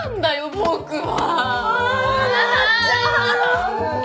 僕は！